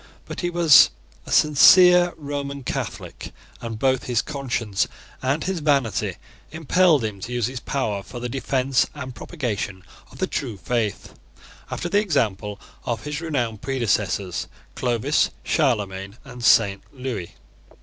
But he was a sincere Roman Catholic; and both his conscience and his vanity impelled him to use his power for the defence and propagation of the true faith, after the example of his renowned predecessors, Clovis, Charlemagne, and Saint Lewis.